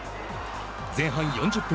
前半４０分。